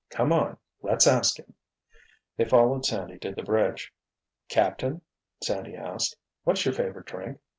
Come on, let's ask him." They followed Sandy to the bridge. "Captain," Sandy asked, "what's your favorite drink?